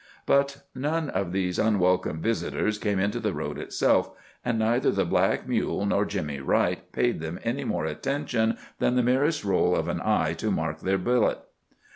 But none of these unwelcome visitors came into the road itself, and neither the black mule nor Jimmy Wright paid them any more attention than the merest roll of an eye to mark their billet.